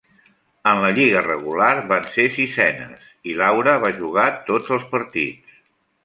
En la lliga regular van ser sisenes, i Laura va jugar tots els partits.